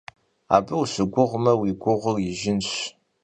Abı vuşıguğme, vui gurığır yijjınş.